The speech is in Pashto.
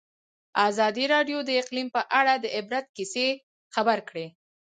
ازادي راډیو د اقلیم په اړه د عبرت کیسې خبر کړي.